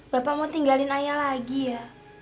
bapak mau tinggalin ayah lagi ya